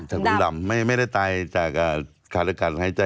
กุลดำไม่ได้ตายจากขาดอากาศหายใจ